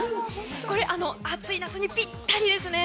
暑い夏にぴったりですね。